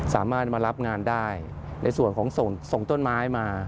สามารถมารับงานได้ในส่วนของส่งต้นไม้มา